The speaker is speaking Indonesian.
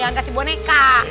jangan kasih boneka